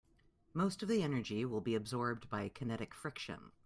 Most of the energy will be absorbed by kinetic friction.